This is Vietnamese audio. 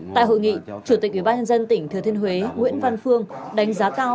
tại hội nghị chủ tịch ubnd tỉnh thừa thiên huế nguyễn văn phương đánh giá cao